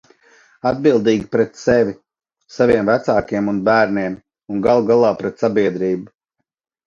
Atbildīgi pret sevi, saviem vecākiem un bērniem, un galu galā pret sabiedrību.